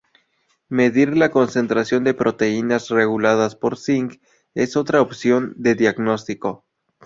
Medir la concentración de proteínas reguladas por zinc, es otra opción de diagnóstico.